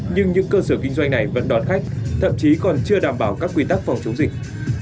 nhưng những cơ sở kinh doanh này vẫn đón khách thậm chí còn chưa đảm bảo các quy tắc phòng chống dịch